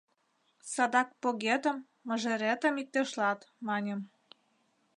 Садак погетым, мыжеретым иктешлат, — маньым.